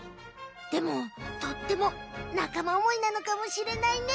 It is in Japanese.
でもとってもなかま思いなのかもしれないね。